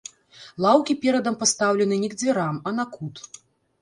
Лаўкі перадам пастаўлены не к дзвярам, а на кут.